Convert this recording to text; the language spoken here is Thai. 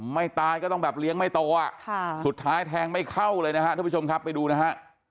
ตายก็ต้องแบบเลี้ยงไม่โตอ่ะสุดท้ายแทงไม่เข้าเลยนะฮะท่านผู้ชมครับไปดูนะฮะ